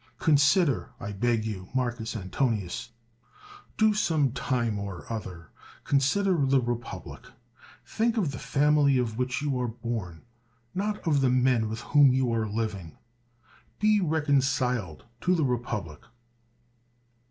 Consider, I beg you, Marcus Antonius, do some time or other consider the republic : think of the family of which you are bom, not of the men with whom you are living. Be reconciled to the republic.